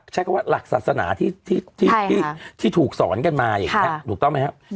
ใช้คำว่าหลักศาสนาที่ถูกสอนกันมาอย่างนี้ถูกต้องไหมครับ